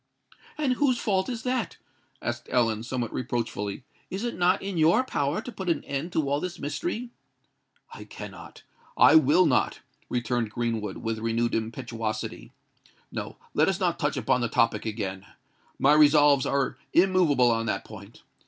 "And whose fault is that?" asked Ellen, somewhat reproachfully. "Is it not in your power to put an end to all this mystery?" "I cannot—I will not," returned Greenwood, with renewed impetuosity. "No—let us not touch upon the topic again. My resolves are immoveable on that point.